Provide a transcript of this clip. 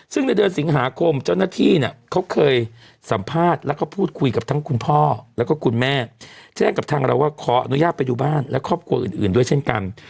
ซึ่งในเดือนสิงหาคมเจ้าหน้าที่เนี่ยเขาเคยสัมภาษณ์แล้วก็พูดคุยกับทั้งคุณพ่อแล้วก็คุณแม่แจ้งกับทางเราว่าขออนุญาตไปดูบ้านและครอบครัวอื่นด้วยเช่นกัน